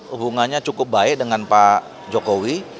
hubungannya cukup baik dengan pak jokowi